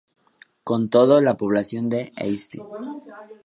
Con todo, la población de "St.